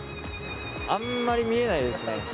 あんまり見えないですね。